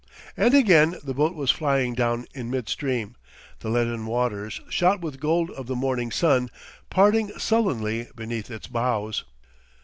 And again the boat was flying down in midstream, the leaden waters, shot with gold of the morning sun, parting sullenly beneath its bows.